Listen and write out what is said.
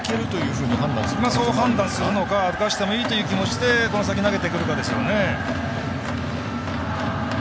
そう判断するのか歩かせてもいいという気持ちでこの先投げてくるかですね。